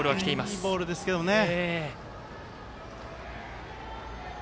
いいボールですけどね。